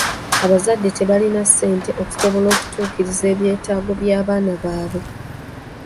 Abazadde tebalina ssente okusobola okutuukiriza ebyetaago by'abaana baabwe.